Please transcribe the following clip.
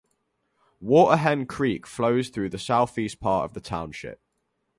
Water Hen Creek flows through the southeast part of the township.